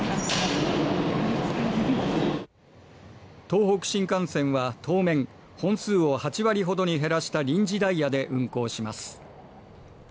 東北新幹線は当面、本数を８割ほどに減らした臨時ダイヤで運行します。